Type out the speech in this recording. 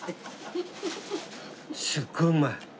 すごいうまい。